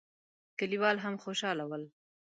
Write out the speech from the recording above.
کليوال هم خوشاله ول.